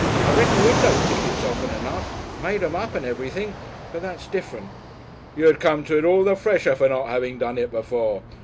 I've written window tickets often enough. Made 'em up and everything. But that's different." "You'd come to it all the fresher for not having done it before.